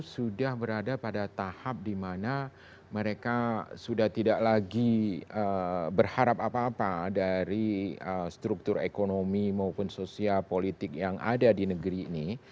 sudah berada pada tahap di mana mereka sudah tidak lagi berharap apa apa dari struktur ekonomi maupun sosial politik yang ada di negeri ini